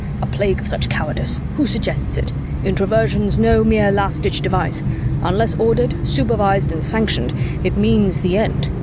A plague of such cowardice! Who suggests it? Introversion's no mere last ditch device. Unless ordered, supervised and sanctioned, it means the end.